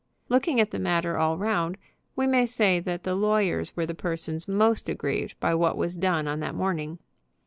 Looking at the matter all round, we may say that the lawyers were the persons most aggrieved by what was done on that morning.